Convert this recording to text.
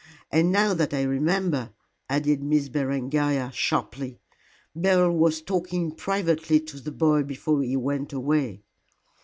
And now that I remember," added Miss Berengaria, sharply, "Beryl was talking privately to the boy before he went away."